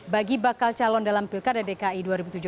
bagi bakal calon dalam pilkada dki dua ribu tujuh belas